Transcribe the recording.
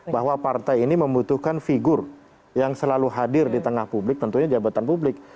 bahwa partai ini membutuhkan figur yang selalu hadir di tengah publik tentunya jabatan publik